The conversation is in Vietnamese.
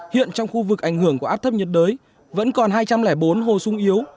hiện trong khu vực ảnh hưởng của áp thấp nhiệt đới vẫn còn hai trăm linh bốn hồ sung yếu